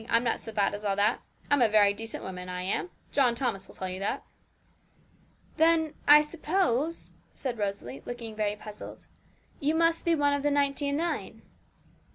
I'm not so bad as all that; I'm a very decent woman, I am. John Thomas will tell you that.' 'Then, I suppose,' said Rosalie, looking very puzzled, 'you must be one of the ninety and nine.'